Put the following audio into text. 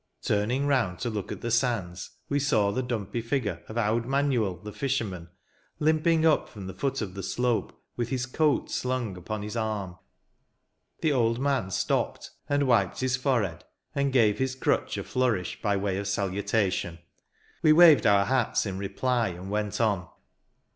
Turning round to look at the sands, we saw the dumpy figure of " Owd Manuel," the fisherman, limping up from the foot of the slope, with his coat slung upon his arm. The old man stopped, and wiped his forehead, and gave his crutch a flourish, by way of salutation. We waved our hats, in reply, and went on.